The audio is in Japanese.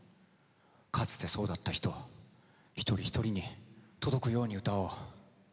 かつてそうだった人一人一人に届くように歌おう。